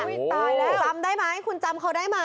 ตายแล้วจำได้ไหมคุณจำเขาได้ไหม